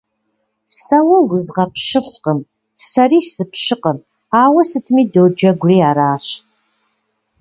Сэ уэ узгъэпщылӀкъым, сэри сыпщкъым, ауэ сытми доджэгури аращ.